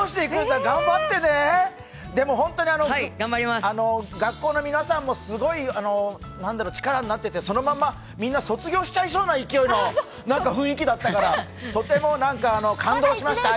頑張ってね、でも本当に学校の皆さんもすごい力になっててそのままみんな卒業しちゃいそうな勢いの雰囲気だったからとても感動しました。